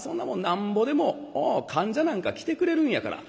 なんぼでも患者なんか来てくれるんやから」。